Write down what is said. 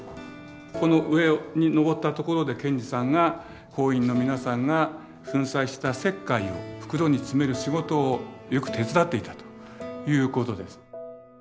この上に上ったところで賢治さんが工員の皆さんが粉砕した石灰を袋に詰める仕事をよく手伝っていたということです。